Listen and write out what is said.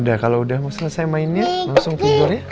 udah kalau udah selesai mainnya langsung tidur ya